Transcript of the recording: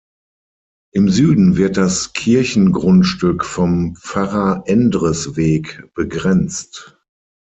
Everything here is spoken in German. Im Süden wird das Kirchengrundstück vom Pfarrer-Endres-Weg begrenzt.